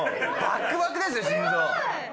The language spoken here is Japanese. バックバクですよ心臓。